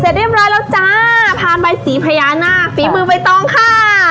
เสร็จเรียบร้อยแล้วจ้าผ่านใบศรีพญานาคฟีมือไปต้องค่ะ